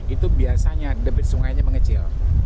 itu biasanya debit sungainya mengecil